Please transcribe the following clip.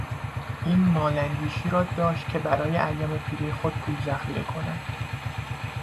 این مال اندیشی را داشت که برای ایام پیری خود پول ذخیره کند.